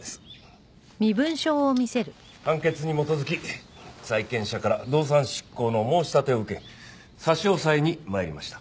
判決に基づき債権者から動産執行の申し立てを受け差し押さえに参りました。